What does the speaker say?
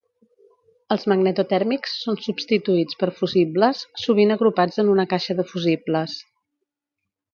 Els magnetotèrmics són substituïts per fusibles, sovint agrupats en una caixa de fusibles.